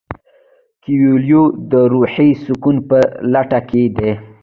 کویلیو د روحي سکون په لټه کې دی.